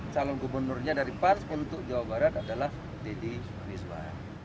calon gubernurnya dari pan untuk jawa barat adalah dedy mizwar